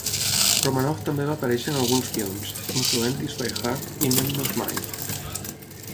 Romanov també va aparèixer en alguns films, incloent-hi "Spy Hard" i "Menno's Mind".